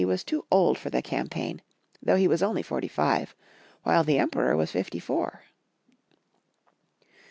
was too old for the campaign, though he was only forty five, while the Emperor was fifty four.